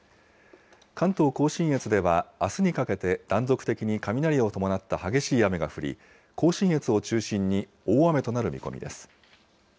関東甲信越では、あすにかけて断続的に雷を伴った激しい雨が降り、甲信越を中心に大雨となる見込みです。